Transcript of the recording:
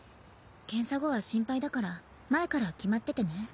検査後は心配だから前から決まっててね。